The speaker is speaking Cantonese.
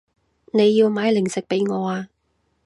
你要買零食畀我啊